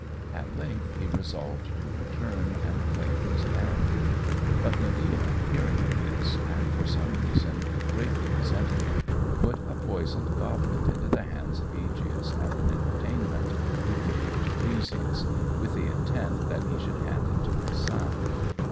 At length he resolved to return and claim his parentage, but Medea hearing of this, and for some reason greatly resenting it, put a poisoned goblet into the hands of Ægeus at an entertainment he gave to Theseus, with the intent that he should hand it to his son.